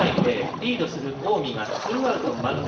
リードする近江がツーアウト満塁。